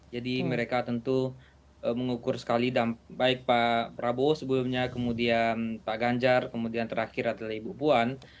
jadi mereka tentu mengukur sekali baik pak prabowo sebelumnya kemudian pak ganjar kemudian terakhir adalah ibu puan